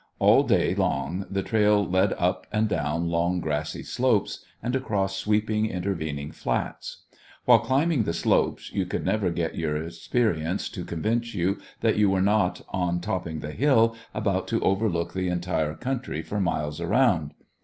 All day long the trail led up and down long grassy slopes, and across sweeping, intervening flats. While climbing the slopes, you could never get your experience to convince you that you were not, on topping the hill, about to overlook the entire country for miles around.